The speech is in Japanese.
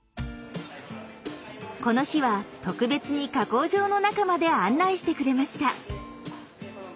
この日は特別に加工場の中まで案内してくれました。